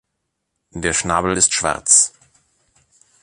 Der Schnabel ist schwarz.